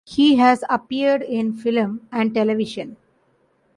He has appeared in film and television.